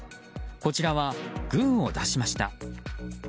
こちらは、グーを出しました。